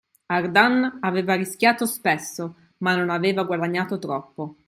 Ardan aveva rischiato spesso, ma non aveva mai guadagnato troppo;